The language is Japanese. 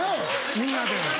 みんなで。